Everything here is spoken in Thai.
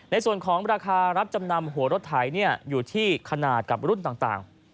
ในส่วนของราคารับจำนำหัวรถไถอยู่ที่ขนาดกับรุ่นต่าง